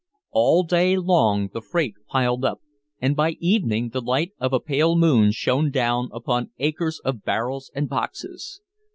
All day long the freight piled up, and by evening the light of a pale moon shone down upon acres of barrels and boxes.